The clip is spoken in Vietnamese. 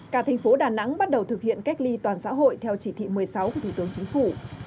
cả thành phố đà nẵng bắt đầu thực hiện cách ly toàn xã hội theo chỉ thị một mươi sáu của thủ tướng chính phủ